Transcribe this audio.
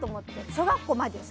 小学校まで。